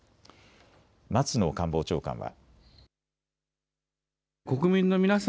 松野官房長官は。